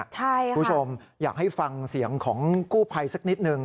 คุณผู้ชมอยากให้ฟังเสียงของกู้ภัยสักนิดนึง